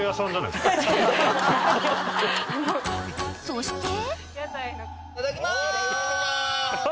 ［そして］